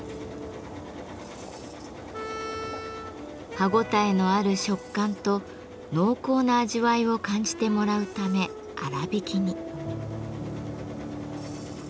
歯ごたえのある食感と濃厚な味わいを感じてもらうため粗挽きに。